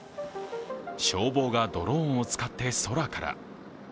消防がドローンを使って空から。